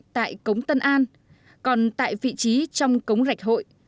tại cống tân an còn tại vị trí trong cống rạch hội